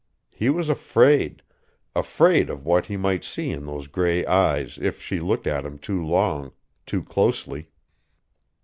He was afraid, afraid of what he might see in those gray eyes if she looked at him too long, too closely.